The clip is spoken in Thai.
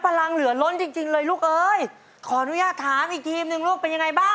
เป็นอะไรแม้รักก็คงไม่มา